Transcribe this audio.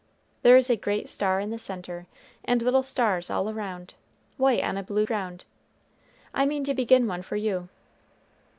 There is a great star in the centre, and little stars all around, white on a blue ground. I mean to begin one for you."